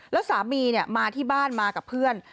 แล้วสามีมาที่บ้านมากับเพื่อน